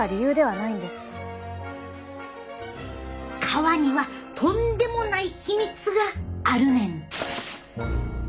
皮にはとんでもない秘密があるねん。